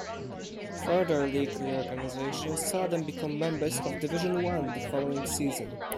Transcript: Further league reorganisation saw them become members of Division One the following season.